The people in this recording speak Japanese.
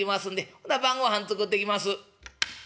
ほな晩ごはん作ってきます」。